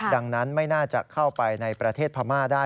ดังนั้นไม่น่าจะเข้าไปในประเทศพม่าได้